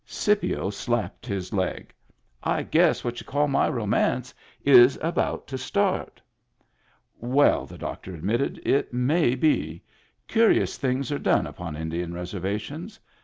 Scipio slapped his leg. "I guess what y'u call my romance is about to start." "Well," the doctor admitted, "it may be. Curious things are done upon Indian reserva tions.